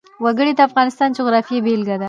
وګړي د افغانستان د جغرافیې بېلګه ده.